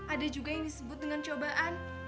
ada juga yang disebut dengan cobaan